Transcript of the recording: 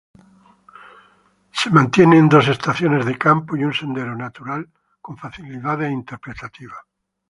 Se mantienen dos estaciones de campo y un sendero natural con facilidades interpretativas.